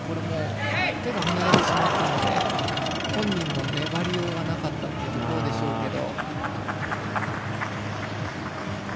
手が離れてしまったので本人も粘りようがなかったというところでしょうけど。